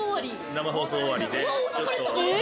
生放送終わりで。